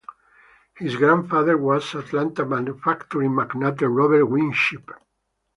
His grandfather was Atlanta manufacturing magnate Robert Winship.